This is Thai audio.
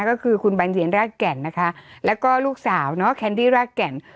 ก็คือคุณบรรเย็นรากแก่นนะคะแล้วก็ลูกสาวเนาะแคนดี้รากแก่น